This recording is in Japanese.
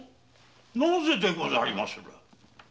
なぜでございます！？